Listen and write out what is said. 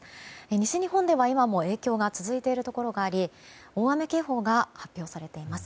西日本では今も影響が続いているところがあり大雨警報が発表されています。